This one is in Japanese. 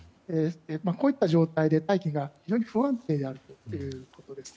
こういった状態で大気が非常に不安定だということです。